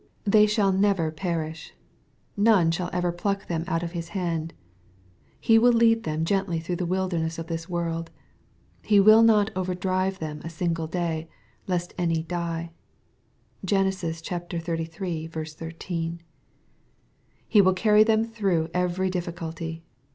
They shall never perish. None shall ever pluck them out of His hand. He will lead them gently through the wilderness of this world. He will not overdrive them a single day, lest any die. (Gen. xxxiii. 13.) He will carry them through every difficulty.